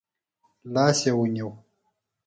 لاس يې ونیو.